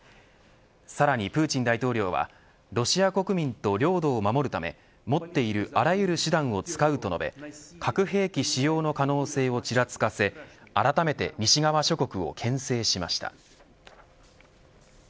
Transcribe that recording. さらにプーチン大統領はロシア国民と領土を守るため持っているあらゆる手段を使うと述べ核兵器使用の可能性をちらつかせあらためて西側諸国をけん制しました。